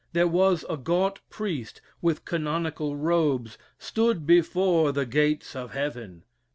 There was a gaunt priest, with canonical robes, stood before the gates of heaven.